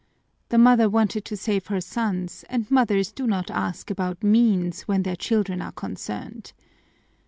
The mother wanted to save her sons, and mothers do not ask about means when their children are concerned.